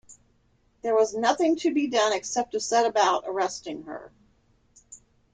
There was nothing to be done except to set about arresting her.